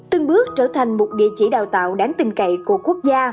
từng bước trở thành một địa chỉ đào tạo đáng tình cậy của quốc gia